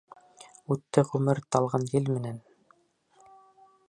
Үтте ғүмер талғын ел менән!